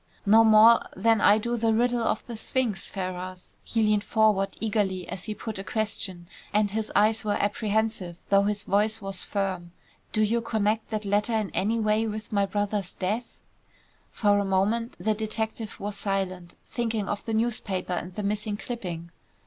"No more than I do the riddle of the sphinx, Ferrars," he leaned forward eagerly as he put a question, and his eyes were apprehensive, though his voice was firm. "Do you connect that letter in any way with my brother's death?" For a moment the detective was silent, thinking of the newspaper and the missing clipping.